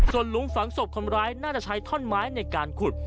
ส่วนหลุมฝังศพคนร้ายน่าจะใช้ท่อนไม้ในการขุด